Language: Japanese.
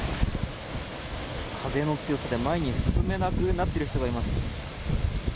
風の強さで前に進めなくなっている人がいます。